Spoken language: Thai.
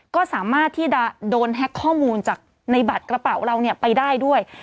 ก็สามารถที่จะโดนแฮ็กข้อมูลจากในบัตรกระเป๋าเราไปได้ด้วย